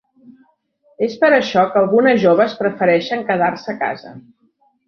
És per això que algunes joves prefereixen quedar-se a casa.